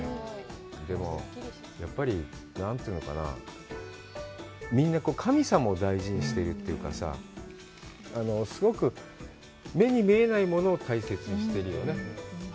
でもやっぱり何というのかな、みんな、神様を大事にしているというかさぁ、すごく、目に見えないものを大切にしてるよね。